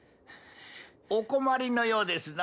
お困りのようですな。